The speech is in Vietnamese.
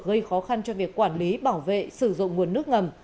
gây khó khăn cho việc quản lý bảo vệ sử dụng nguồn nước ngầm